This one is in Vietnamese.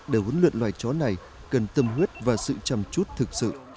để huấn luyện loài chó này cần tâm huyết và sự chăm chút thực sự